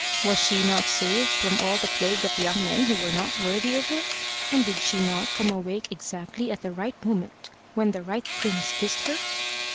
Was she not saved from all the plague of young men who were not worthy of her? And did she not come awake exactly at the right moment when the right prince kissed her?